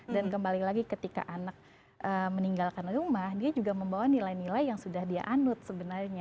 dan kembali lagi ketika anak meninggalkan rumah dia juga membawa nilai nilai yang sudah dia anut sebenarnya